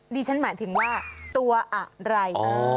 ดิฉันหมายถึงว่าตัวอะไร